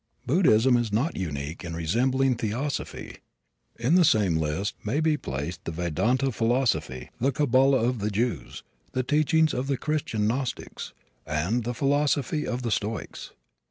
Buddhism is not unique in resembling theosophy. In the same list may be placed the Vedanta philosophy, the Cabala of the Jews, the teachings of the Christian Gnostics, and the philosophy of the Stoics.